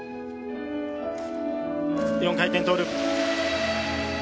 ４回転トーループ。